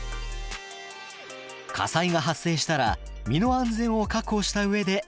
火災が発生したら身の安全を確保した上で初期消火。